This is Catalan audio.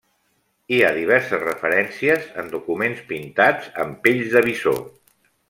Hi ha diverses referències en documents pintats en pells de bisó.